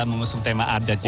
mengusung tema adat juga